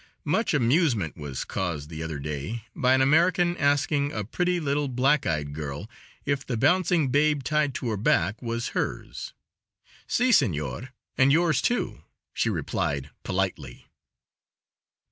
Much amusement was caused the other day by an American asking a pretty little black eyed girl if the bouncing babe tied to her back was hers. "Si, senor, and yours, too," she replied, politely.